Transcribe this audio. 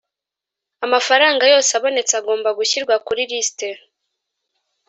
amafaranga yose abonetse agomba gushyirwa kuri risite